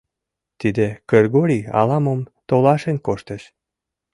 Тиде Кыргорий ала-мом толашен коштеш.